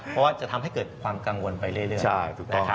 เพราะว่าจะทำให้เกิดความกังวลไปเรื่อยถูกต้อง